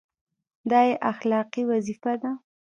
دا یې اخلاقي وظیفه ده.